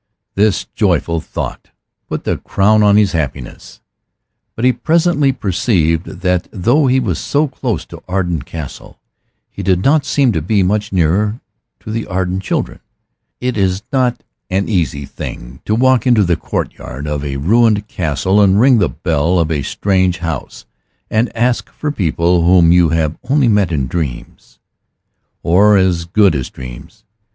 This joyful thought put the crown on his happiness. But he presently perceived that though he was so close to Arden Castle he did not seem to be much nearer to the Arden children. It is not an easy thing to walk into the courtyard of a ruined castle and ring the bell of a strange house and ask for people whom you have only met in dreams, or as good as dreams.